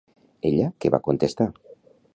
Ella què va contestar?